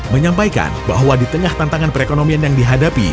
menyampaikan bahwa di tengah tantangan perekonomian yang dihadapi